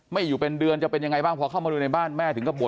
อยู่เป็นเดือนจะเป็นยังไงบ้างพอเข้ามาดูในบ้านแม่ถึงก็บ่น